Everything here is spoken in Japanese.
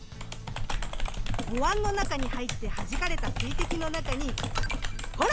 おわんの中に入ってはじかれた水滴の中にほら！